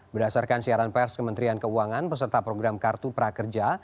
berdasarkan siaran pers kementerian keuangan peserta program kartu prakerja